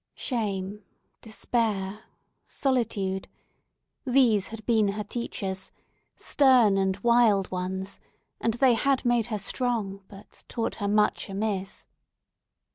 Shame, Despair, Solitude! These had been her teachers—stern and wild ones—and they had made her strong, but taught her much amiss.